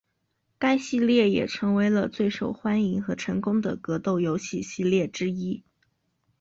该系列也成为了最受欢迎和成功的格斗游戏系列之一。